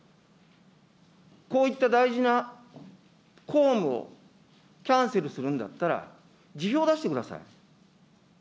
こういった大事な公務をキャンセルするんだったら、辞表出してください。